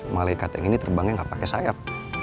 malaikat yang ini terbangnya gak pake sayap